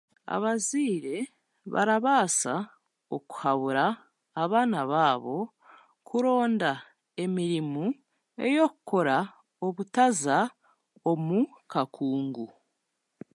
Abazaire barabaasa kuhabura abaana baabo kuronda emirimo y'okukora obutaza omu kakungu